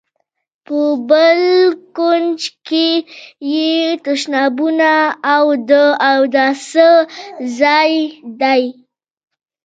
په بل کونج کې یې تشنابونه او د اوداسه ځای دی.